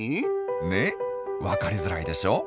ね分かりづらいでしょ？